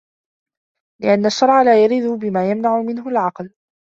لِأَنَّ الشَّرْعَ لَا يَرِدُ بِمَا يَمْنَعُ مِنْهُ الْعَقْلُ